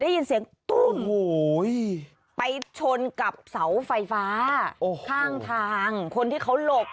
ได้ยินเสียงตุ้มไปชนกับเสาไฟฟ้าข้างทางคนที่เขาหลบ